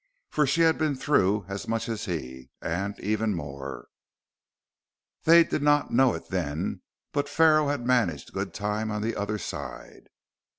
For she had been through as much as he and even more!... They did not know it then, but the Pharaoh had made good time on the other side.